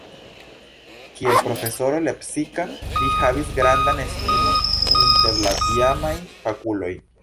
Kiel profesoro lepsika li havis grandan estimon inter la tiamaj fakuloj.